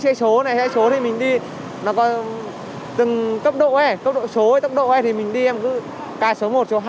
như xe số này xe số thì mình đi nó có từng cấp độ ấy cấp độ số ấy tốc độ ấy thì mình đi em cứ ca số một số hai thì mình đi được tốt